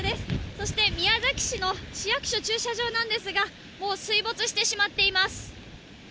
そして宮崎市の市役所駐車場なんですが、もう水没してしまっています。